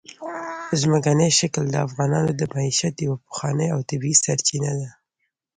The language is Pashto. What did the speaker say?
ځمکنی شکل د افغانانو د معیشت یوه پخوانۍ او طبیعي سرچینه ده.